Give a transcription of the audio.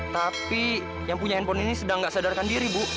tapi yang punya handphone ini sedang tidak sadarkan diri bu